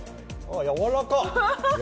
やわらか！